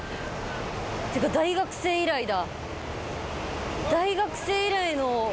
ってか大学生以来だ。